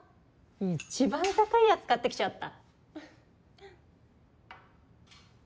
一番高いやつ買ってきちゃった。